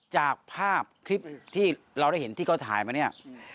จากภาพคลิปที่เราได้เห็นที่เขาถ่ายมาเนี่ย